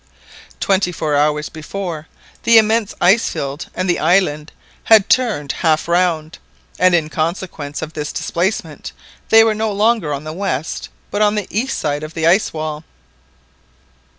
Twenty four hours before, the immense ice field and the island had turned half round, and in consequence of this displacement they were no longer on the west, but on the east of the ice wall!